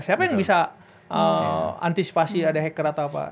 siapa yang bisa antisipasi ada hacker atau apa